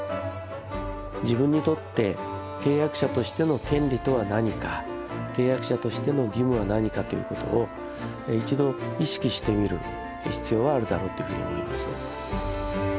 自分にとって契約者としての権利とは何か契約者としての義務は何かという事を一度意識してみる必要はあるだろうというふうに思います。